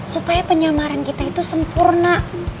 supaya penyamaran kita itu sempurna